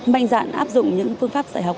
mạnh dạn áp dụng những phương pháp giải học